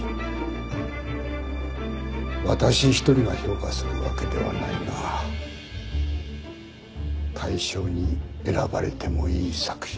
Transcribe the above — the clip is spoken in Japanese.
私一人が評価するわけではないが大賞に選ばれてもいい作品だ。